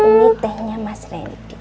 ini tehnya mas randy